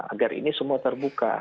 agar ini semua terbuka